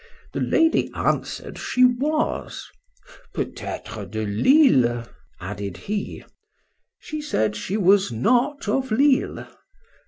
—The lady answered, she was.—Peut être de Lisle? added he.—She said, she was not of Lisle.